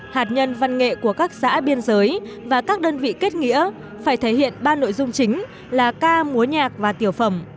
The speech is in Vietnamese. hạt nhân văn nghệ của các xã biên giới và các đơn vị kết nghĩa phải thể hiện ba nội dung chính là ca múa nhạc và tiểu phẩm